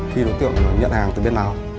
khi đối tượng nhận hàng từ bên nào